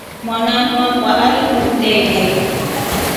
Mwananu wakwa alikumdelye.